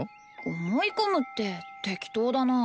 思い込むって適当だなあ